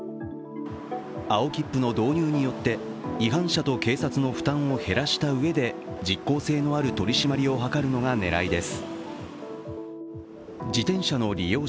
青切符の導入によって違反者と警察の負担を減らしたうえで実効性のある取り締まりを図るのが狙いです。